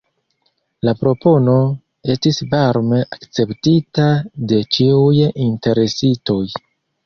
La propono estis varme akceptita de ĉiuj interesitoj.